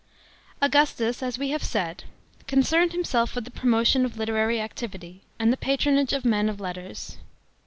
AUGUSTUS, as we have s aid, concerned himself with the pro motion of literary activity, and the patronage of men of letters.